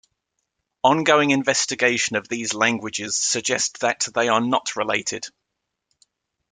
Ongoing investigation of these languages suggest that they are not related.